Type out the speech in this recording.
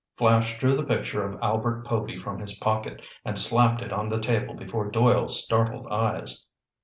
Flash drew the picture of Albert Povy from his pocket and slapped it on the table before Doyle's startled eyes.